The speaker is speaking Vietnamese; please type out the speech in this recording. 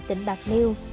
tỉnh bạc liêu